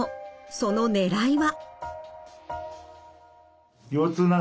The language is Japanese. そのねらいは？